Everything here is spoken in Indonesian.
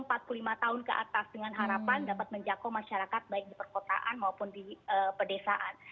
empat puluh lima tahun ke atas dengan harapan dapat menjangkau masyarakat baik di perkotaan maupun di pedesaan